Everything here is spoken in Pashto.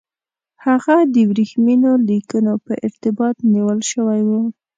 هغه د ورېښمینو لیکونو په ارتباط نیول شوی وو.